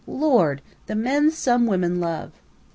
Lord! The men some women love!"